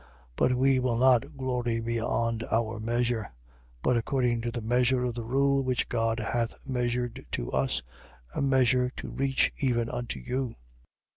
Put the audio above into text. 10:13. But we will not glory beyond our measure: but according to the measure of the rule which God hath measured to us, a measure to reach even unto you.